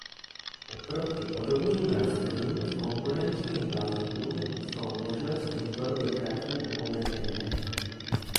Oproti podobným nástrojům z konkurenčních balíků jsou možnosti tvorby grafů omezené.